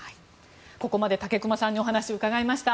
ここまで武隈さんにお話を伺いました。